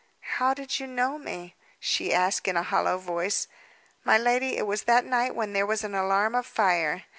"How did you know me?" she asked in a hollow voice. "My lady, it was that night when there was an alarm of fire.